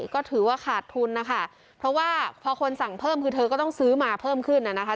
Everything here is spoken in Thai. ก็ถือว่าขาดทุนนะคะเพราะว่าพอคนสั่งเพิ่มคือเธอก็ต้องซื้อมาเพิ่มขึ้นน่ะนะคะ